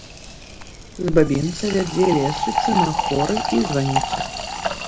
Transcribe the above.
З бабінца вядзе лесвіца на хоры і званіцу.